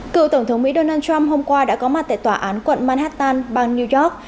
cựu tổng thống mỹ donald trump hôm qua đã có mặt tại tòa án quận manhattan bang new york